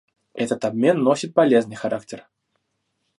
Этот обмен носит полезный характер.